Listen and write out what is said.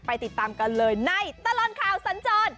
ติดตามกันเลยในตลอดข่าวสัญจร